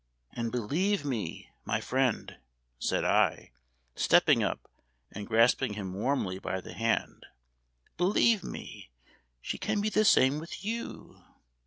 "And believe me, my friend," said I, stepping up, and grasping him warmly by the hand, "believe me, she can be the same with you.